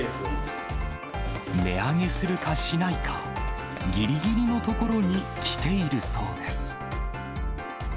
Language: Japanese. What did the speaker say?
値上げするかしないか、ぎりぎりのところに来ているそうです。